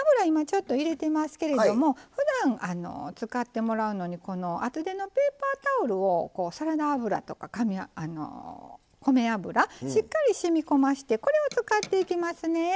今ちょっと入れてますけれどもふだん使ってもらうのにこの厚手のペーパータオルをサラダ油とか米油しっかり染み込ましてこれを使っていきますね。